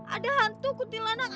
ada hantu kuntilanak